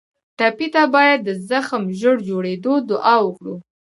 ټپي ته باید د زخم ژر جوړېدو دعا وکړو.